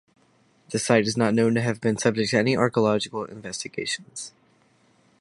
The site is not known to have been subject to any archaeological investigations.